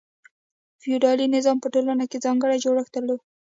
فیوډالي نظام په ټولنه کې ځانګړی جوړښت درلود.